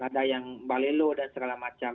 ada yang balelo dan segala macam